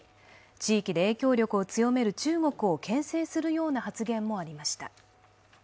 地域で影響力を強める中国をけん制するような発言もありました。